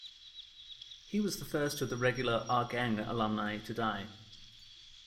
He was the first of the regular "Our Gang" alumni to die.